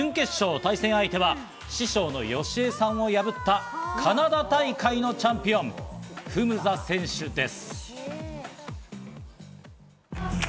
対戦相手は師匠のＹＯＳＨＩＥさんを破ったカナダ大会のチャンピオン、フムザ選手です。